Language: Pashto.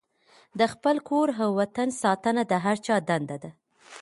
د خپل کور او وطن ساتنه د هر چا دنده ده.